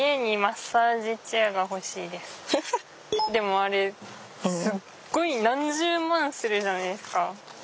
でもあれすっごい何十万するじゃないですか。